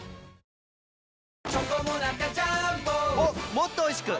もっとおいしく！